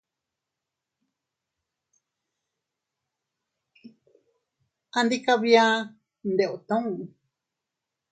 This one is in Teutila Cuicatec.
Andi kabia ndeeootuu.